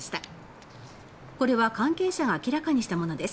これは関係者が明らかにしたものです。